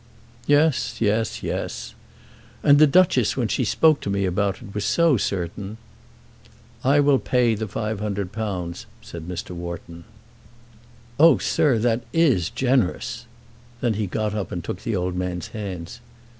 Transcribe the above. "Yes; yes; yes." "And the Duchess, when she spoke to me about it, was so certain." "I will pay the £500," said Mr. Wharton. "Oh, sir, that is generous!" Then he got up and took the old man's hands.